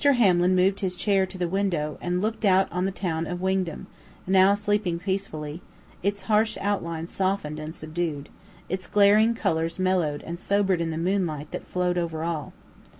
Hamlin moved his chair to the window, and looked out on the town of Wingdam, now sleeping peacefully its harsh outlines softened and subdued, its glaring colors mellowed and sobered in the moonlight that flowed over all.